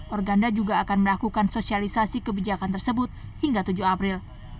organda juga akan melakukan sosialisasi kebijakan tersebut hingga tujuh april